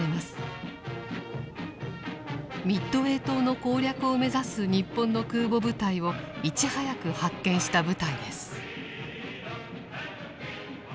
ミッドウェー島の攻略を目指す日本の空母部隊をいち早く発見した部隊です。